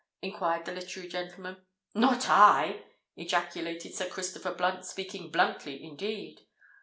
enquired the literary gentleman. "Not I!" ejaculated Sir Christopher Blunt, speaking bluntly indeed.